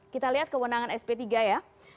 kita lihat kewenangan sp tiga ya